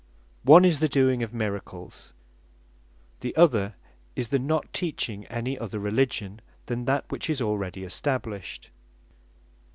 One is the doing of miracles; the other is the not teaching any other Religion than that which is already established.